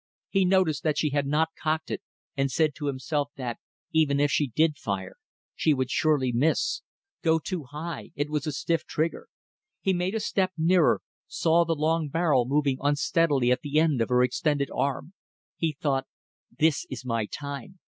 He noticed that she had not cocked it, and said to himself that, even if she did fire, she would surely miss. Go too high; it was a stiff trigger. He made a step nearer saw the long barrel moving unsteadily at the end of her extended arm. He thought: This is my time